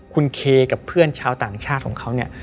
คุณเคกับเพื่อนชาวต่างชาติของเขาเนี่ย